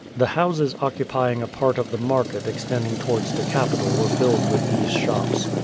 The houses occupying a QUO VADI8. 19 part of the market extending towards the Capitol were filled with these shops.